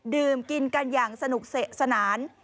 ดื่มกินกันอย่างสนุกสนาน